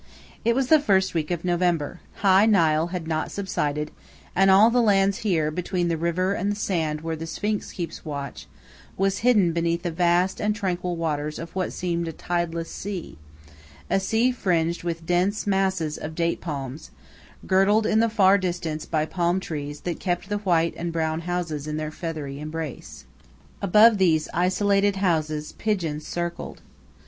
It was the first week of November, high Nile had not subsided, and all the land here, between the river and the sand where the Sphinx keeps watch, was hidden beneath the vast and tranquil waters of what seemed a tideless sea a sea fringed with dense masses of date palms, girdled in the far distance by palm trees that kept the white and the brown houses in their feathery embrace. Above these isolated houses pigeons circled.